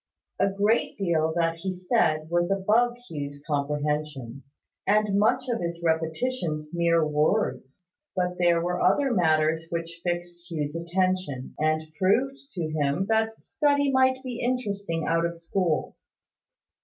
A great deal that he said was above Hugh's comprehension; and much of his repetitions mere words: but there were other matters which fixed Hugh's attention, and proved to him that study might be interesting out of school.